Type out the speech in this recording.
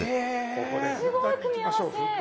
ここでふんだんにいきましょうふんだんに。